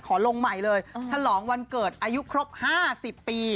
ลงใหม่เลยฉลองวันเกิดอายุครบ๕๐ปี